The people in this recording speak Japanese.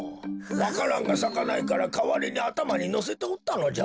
わか蘭がさかないからかわりにあたまにのせておったのじゃろう。